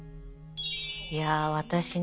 いや私ね